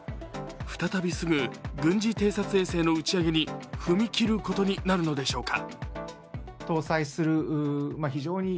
再びすぐ軍事偵察衛星の打ち上げに踏み切ることになるのでしょうか。